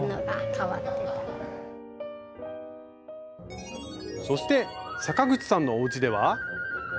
そして阪口さんのおうちでは。